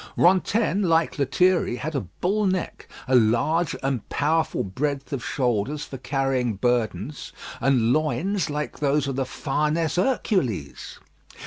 Rantaine, like Lethierry, had a bull neck, a large and powerful breadth of shoulders for carrying burdens, and loins like those of the Farnese Hercules.